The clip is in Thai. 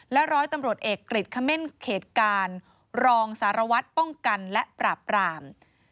และร้อยตำรวจเอกกฤทธิ์ขมิ้นเขตการรองทราวัฒน์ป้องกันและปราบปราม